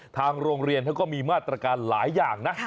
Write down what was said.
ทางโรงเรียนเขาก็มีมาตรการหลายอย่างนะ